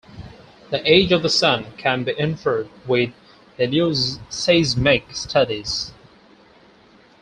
The age of the sun can be inferred with helioseismic studies.